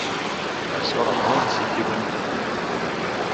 Я все равно носить его не буду.